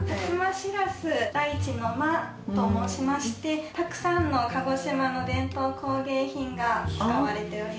シラス大地の間と申しましてたくさんの鹿児島の伝統工芸品が使われております。